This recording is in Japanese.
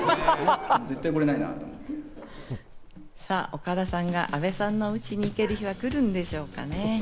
岡田さんが阿部さんのお家に行ける日は来るんでしょうかね？